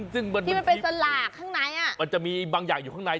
ที่มันเป็นสลากข้างในอ่ะมันจะมีบางอย่างอยู่ข้างใน